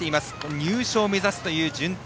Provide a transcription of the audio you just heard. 入賞を目指すという順天。